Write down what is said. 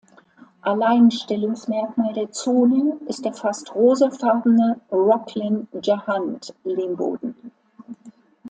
Alleinstellungsmerkmal der Zone ist der fast rosafarbene Rocklin-Jahant Lehmboden.